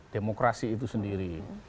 demokrasi itu sendiri